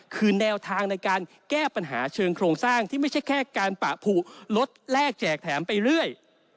คือแนวทางในการแก้ปัญหาเชิงโครงสร้างที่ไม่ใช่แค่การปะผูลดแลกแจกแถมไปเรื่อย